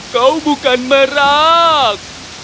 kau bukan merah